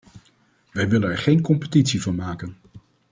Wij willen er geen competitie van maken.